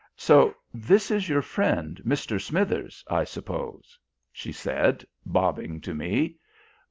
"So this is your friend, Mr. Smithers, I suppose?" she said, bobbing to me.